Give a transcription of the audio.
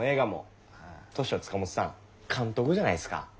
そしたら塚本さん監督じゃないですか。